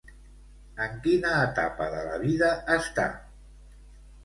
En quina etapa de la vida està?